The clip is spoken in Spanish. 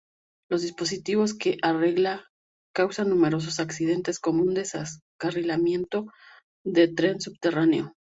Los dispositivos que "arregla" causan numerosos accidentes, como un descarrilamiento de tren subterráneo.